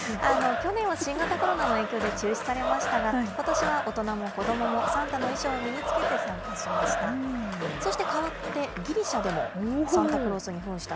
去年は新型コロナの影響で中止されましたが、ことしは大人も子どもも、サンタの衣装を身につけて参加しました。